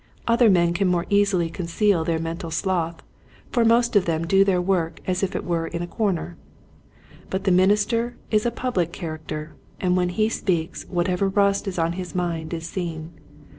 Other men can more easily conceal their mental sloth for most of them do their work as it were in a comer. But the minister is a public character and when he speaks whatever rust is on his mind is seen.